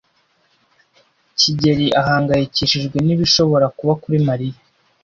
kigeli ahangayikishijwe nibishobora kuba kuri Mariya.